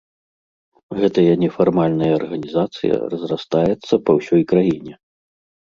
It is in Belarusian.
Гэтая нефармальная арганізацыя разрастаецца па ўсёй краіне.